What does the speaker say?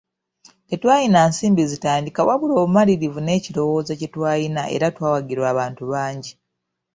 Tetwalina nsimbi zitandika wabula obumalirivu n'ekirowoozo kye twalina era twawagirwa abantu bangi.